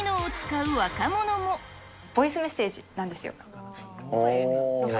ボイスメッセージなんですよ。